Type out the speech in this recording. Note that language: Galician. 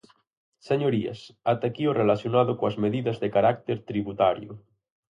Señorías, ata aquí o relacionado coas medidas de carácter tributario.